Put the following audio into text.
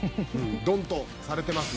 「ドンっとされてますね」